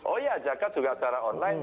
oh ya zakat juga secara online